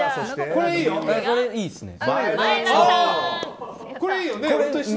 これいいよね。